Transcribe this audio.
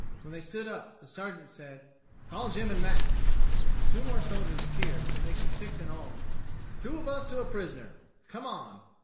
When they stood up, the Sergeant said: "Call Jim and Max." Two more soldiers appeared, making six in all. "Two of us to a prisoner. Come on."